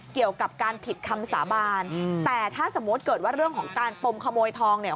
เกี่ยวกับการผิดคำสาบานแต่ถ้าสมมุติเกิดว่าเรื่องของการปมขโมยทองเนี่ย